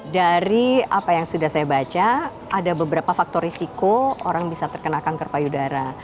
dari apa yang sudah saya baca ada beberapa faktor risiko orang bisa terkena kanker payudara